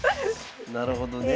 なるほどね。